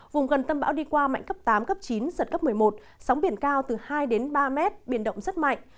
vùng gần tâm bão đi qua mạnh cấp tám chín giật cấp một mươi một sóng biển cao từ hai ba m biển động rất mạnh